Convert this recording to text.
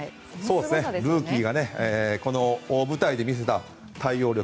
ルーキーがこの大舞台で見せた対応力。